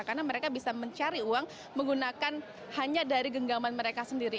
karena mereka bisa mencari uang menggunakan hanya dari genggaman mereka sendiri